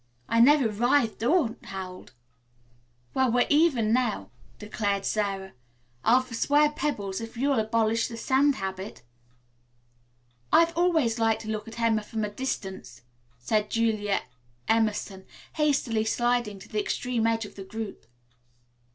I neither writhed nor howled." "Well, we're even now," declared Sara. "I'll foreswear pebbles if you'll abolish the sand habit." "I have always liked to look at Emma from a distance," said Julia Emerson, hastily sliding to the extreme edge of the group.